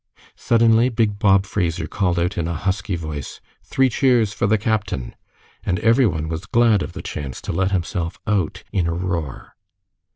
Suddenly big Bob Fraser called out in a husky voice, "Three cheers for the captain!" and every one was glad of the chance to let himself out in a roar.